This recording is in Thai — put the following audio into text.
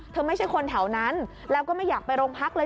ไม่ใช่คนแถวนั้นแล้วก็ไม่อยากไปโรงพักเลย